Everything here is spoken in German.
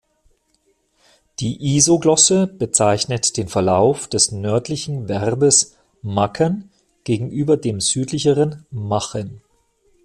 Die Isoglosse bezeichnet den Verlauf des nördlichen Verbes "maken" gegenüber dem südlicheren "machen".